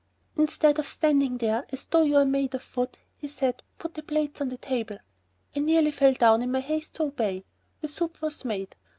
"Instead of standing there as though you're made of wood," he said, "put the plates on the table." I nearly fell down in my haste to obey. The soup was made.